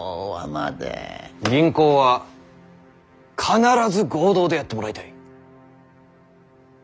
銀行は必ず合同でやってもらいたい。